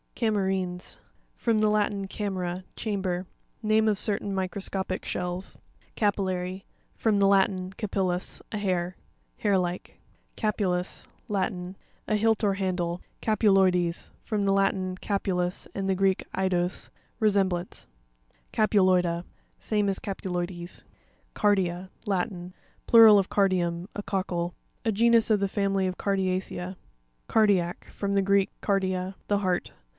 Cam'ERINES.— From the Latin, ca mera, chamber. Name of certain microscopic shells (page 32). Cari'LLary.—From the Latin, capil lus, a hair. Hair like. Ca'puLus.—Latin. A hilt or handle (page 58). Ca'putol pes.—F rom the Latin, capu lus, and the Greek, eidos, resem blance (page 58). Ca'puLor'pa.— Same as Capuloides. Car'p1a.—Latin. Plural of cardium, a cockle. A genus of the family of Cardiacea (page 84). Car'pi1ac.—From the Greek, kardia, the heart.